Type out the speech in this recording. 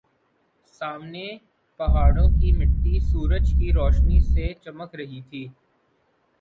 سامنے پہاڑوں کی مٹی سورج کی روشنی سے چمک رہی تھی